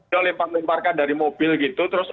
dia lempar lemparkan dari mobil gitu terus